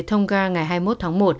tôn nga ngày hai mươi một tháng một